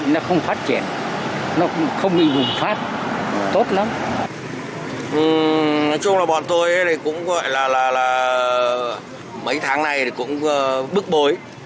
nói chung là bọn tôi cũng gọi là mấy tháng này cũng bức bối